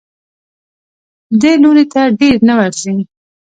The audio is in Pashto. دې لوري ته ډېر نه ورځي.